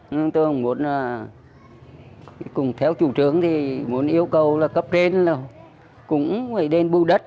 nhưng tôi cũng muốn cũng theo chủ trướng thì muốn yêu cầu là cấp trên là cũng phải đến vô đất